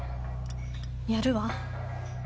やるわ。